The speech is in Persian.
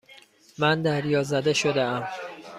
من دریازده شدهام.